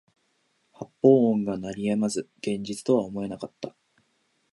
発砲音が鳴り止まず現実とは思えなかった